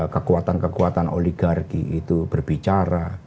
kekuatan kekuatan oligarki itu berbicara